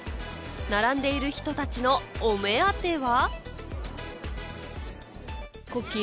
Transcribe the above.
並んでいる人たちのお目当ては。